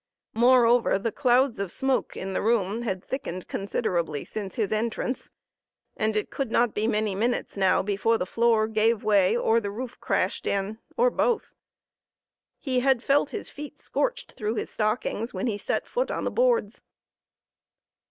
Moreover, the clouds of smoke in the room had thickened considerably since his entrance, and it could not be many minutes now before the floor gave way, or the roof crashed in, or both. He had felt his feet scorched through his stockings, when he set foot on the boards.